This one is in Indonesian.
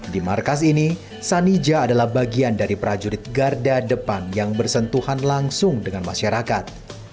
di markas ini sanija adalah bagian dari prajurit garda depan yang bersentuhan langsung dengan masyarakat